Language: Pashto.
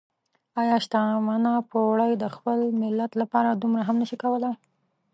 ايا شتمنه پوړۍ د خپل ملت لپاره دومره هم نشي کولای؟